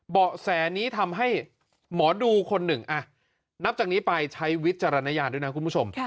เบาะแสนี้ทำให้หมอดูคนหนึ่งนับจากนี้ไปใช้วิจารณญาณด้วยนะคุณผู้ชม